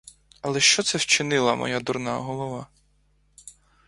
Але що це вчинила моя дурна голова?